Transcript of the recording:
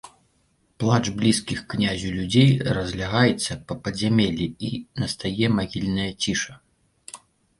Плач блізкіх князю людзей разлягаецца па падзямеллі, і настае магільная ціша.